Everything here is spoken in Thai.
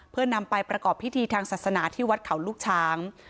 เพื่อนำไปประกอบพิธีทางศาสนาที่วัดเขาลูกช้าง